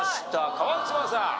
川島さん。